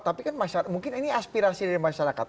tapi kan masyarakat mungkin ini aspirasi dari masyarakat